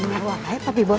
mau meruah kayak papi bos